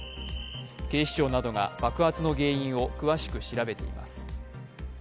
警視庁などが爆発の原因を詳しく調べています。